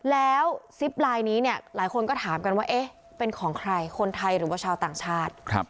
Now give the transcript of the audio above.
แล้วซิปไลน์นี้เนี่ยหลายคนก็ถามกันว่าเอ๊ะเป็นของใครคนไทยหรือว่าชาวต่างชาติ